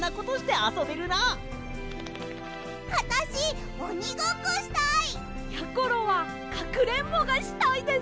あたしおにごっこしたい！やころはかくれんぼがしたいです！